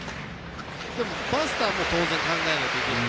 でも、バスターも当然考えないといけない。